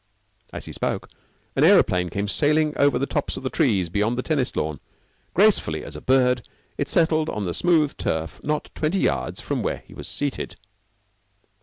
As he spoke, an aeroplane came sailing over the tops of the trees beyond the tennis lawn. Gracefully as a bird it settled on the smooth turf, not twenty yards from where he was seated.